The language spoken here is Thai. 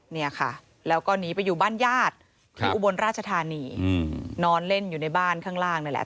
เนี่ยค่ะแล้วก็หนีไปอยู่บ้านญาติที่อุบลราชธานีนอนเล่นอยู่ในบ้านข้างล่างนั่นแหละ